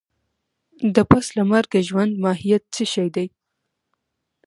د پس له مرګه ژوند ماهيت څه شی دی؟